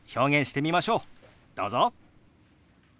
どうぞ！